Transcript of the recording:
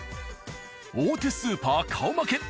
大手スーパー顔負け。